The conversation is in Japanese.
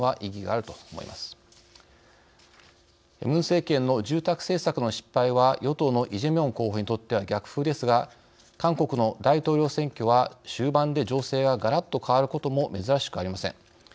ムン政権の住宅政策の失敗は与党のイ・ジェミョン候補にとっては逆風ですが韓国の大統領選挙は終盤で情勢が、がらっと変わることも珍しくありません。